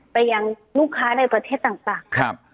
ไปยังลูกค้าในประเทศต่างต่างครับ